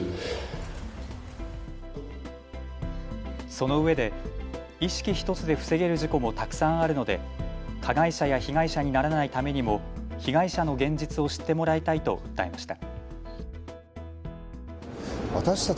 そのうえで意識ひとつで防げる事故もたくさんあるので加害者や被害者にならないためにも被害者の現実を知ってもらいたいと訴えました。